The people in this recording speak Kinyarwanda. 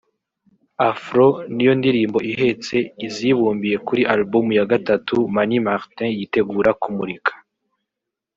Afro’ ni yo ndirimbo ihetse izibumbiye kuri album ya Gatatu Mani Martin yitegura kumurika